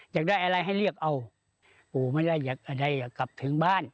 อยากได้อะไรให้เรียกเอาปู่ไม่ได้อยากได้อยากกลับถึงบ้าน